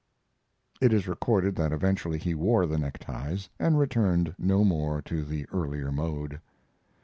It is recorded that eventually he wore the neckties, and returned no more to the earlier mode.